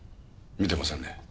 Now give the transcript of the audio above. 見てませんね。